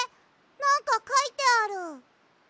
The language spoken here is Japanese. なんかかいてある。